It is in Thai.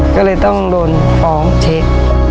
ก็เลยต้องโดนฟ้องเช็ค